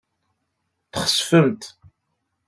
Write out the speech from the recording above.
Txesfemt.